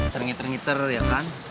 terengiter terengiter ya kan